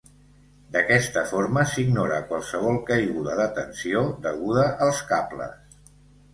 D'aquesta forma s'ignora qualsevol caiguda de tensió deguda als cables.